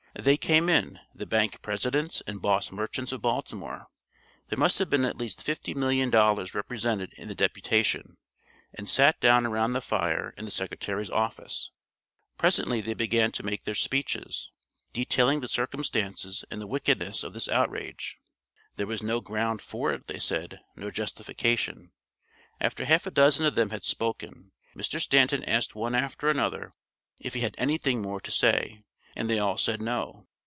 They came in, the bank presidents and boss merchants of Baltimore there must have been at least fifty million dollars represented in the deputation and sat down around the fire in the Secretary's office. Presently they began to make their speeches, detailing the circumstances and the wickedness of this outrage. There was no ground for it, they said, no justification. After half a dozen of them had spoken, Mr. Stanton asked one after another if he had anything more to say, and they all said no.